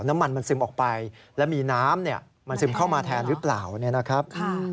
น้ำมันมันซึมออกไปแล้วมีน้ำมันซึมเข้ามาแทนหรือเปล่าเนี่ยนะครับ